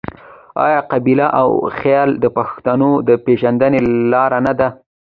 آیا قبیله او خیل د پښتنو د پیژندنې لار نه ده؟